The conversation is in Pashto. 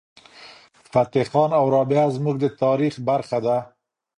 فتح خان او رابعه زموږ د تاریخ برخه ده.